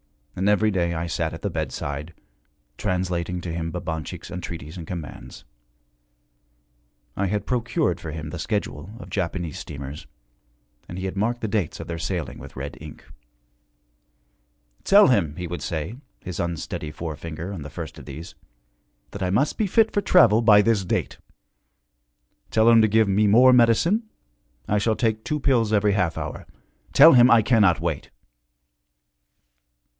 And every day I sat at the bedside, translating to him Babanchik's entreaties and commands. I had procured for him the schedule of Japanese steamers, and he had marked the dates of their sailing with red ink. 'Tell him,' he would say, his unsteady forefinger on the first of these, 'that I must be fit for travel by this date. Tell him to give me more medicine I shall take two pills every half hour. Tell him I cannot wait.'